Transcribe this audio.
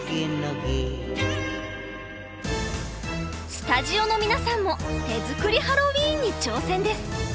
スタジオの皆さんも手作りハロウィーンに挑戦です。